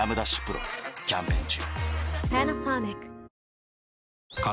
丕劭蓮キャンペーン中